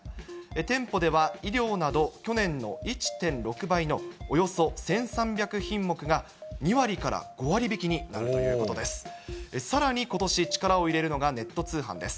店舗では衣料など去年の１．６倍のおよそ１３００品目が、２割から５割引きになるということです。